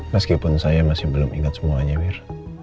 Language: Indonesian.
meskipun saya masih belum ingat semuanya mir